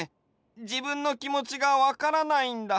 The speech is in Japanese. じぶんのきもちがわからないんだ。